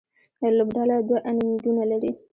لوبډله دوه انینګونه لري.